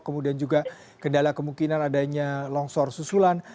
kemudian juga kendala kemungkinan adanya longsor susulan